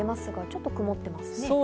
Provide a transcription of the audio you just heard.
ちょっと曇ってますね。